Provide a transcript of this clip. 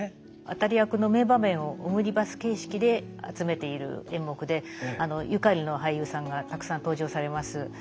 当たり役の名場面をオムニバス形式で集めている演目でゆかりの俳優さんがたくさん登場されます。